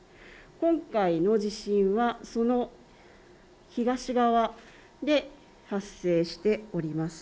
今回の地震はその東側で発生しております。